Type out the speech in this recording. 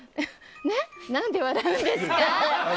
何で笑うんですか？